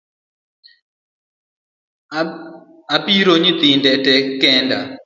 Apiro nyithinde tee kenda